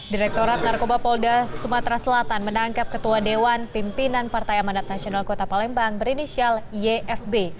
direktorat narkoba polda sumatera selatan menangkap ketua dewan pimpinan partai amanat nasional kota palembang berinisial yfb